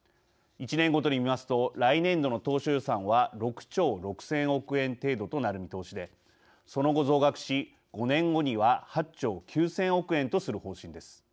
１年ごとに見ますと来年度の当初予算は６兆６０００億円程度となる見通しで、その後増額し５年後には８兆９０００億円とする方針です。